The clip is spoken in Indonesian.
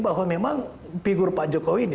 bahwa memang figur pak jokowi ini